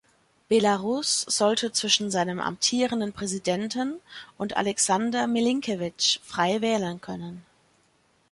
Belarus sollte zwischen seinem amtierenden Präsidenten und Alexander Milinkewitsch frei wählen können.